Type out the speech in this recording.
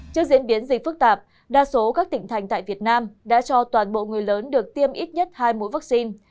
trước diễn biến gì phức tạp đa số các tỉnh thành tại việt nam đã cho toàn bộ người lớn được tiêm ít nhất hai mũi vaccine